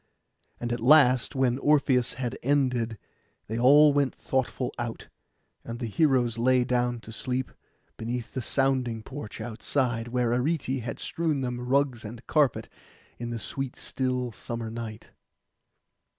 And at last, when Orpheus had ended, they all went thoughtful out, and the heroes lay down to sleep, beneath the sounding porch outside, where Arete had strewn them rugs and carpets, in the sweet still summer night.